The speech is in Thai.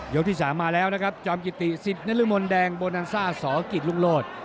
ยกที่สามมาแล้วนะครับจอมกี่ตีสิทธิ์นรมนด์แดงโฮนัลซ่าสอกิตลุงโลด